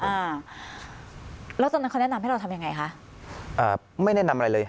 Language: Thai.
อ่าแล้วตอนนั้นเขาแนะนำให้เราทำยังไงคะอ่าไม่แนะนำอะไรเลย